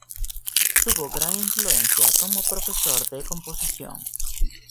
Tuvo gran influencia como profesor de composición.